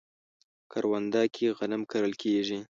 کرونده کې غنم کرل کیږي